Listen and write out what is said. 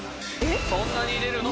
そんなに入れるの？